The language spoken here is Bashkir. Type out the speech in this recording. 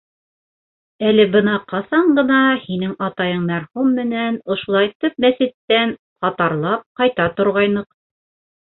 Әле бына ҡасан ғына һинең атайың мәрхүм менән ошолайтып мәсеттән ҡатарлап ҡайта торғайныҡ.